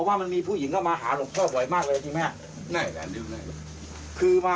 แล้วเป็นเสพอะไรกัน